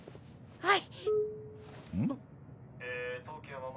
はい！